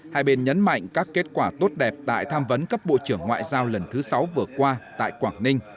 hai bên nhấn mạnh các kết quả tốt đẹp tại tham vấn cấp bộ trưởng ngoại giao lần thứ sáu vừa qua tại quảng ninh